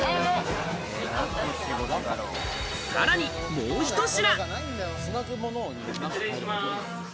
さらにもう１品。